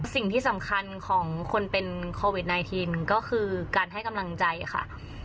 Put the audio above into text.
สิ่งที่สำคัญของคนเป็นโควิด๑๙ก็คือการให้กำลังใจค่ะ